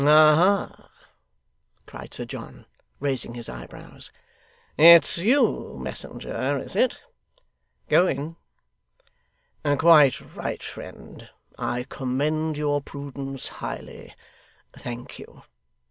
'Aha!' cried Sir John, raising his eyebrows. 'It's you, messenger, is it? Go in. Quite right, friend. I commend your prudence highly. Thank you.